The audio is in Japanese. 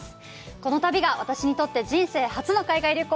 この旅が私にとって人生初の海外旅行。